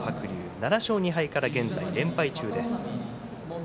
７勝２敗から現在連敗中です。